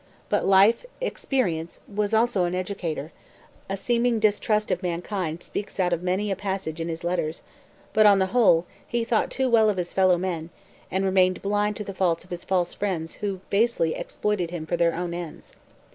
But life, experience, was also an educator; a seeming distrust of mankind speaks out of many a passage in his letters, but on the whole he thought too well of his fellow men, and remained blind to the faults of his false friends who basely exploited him for their own ends.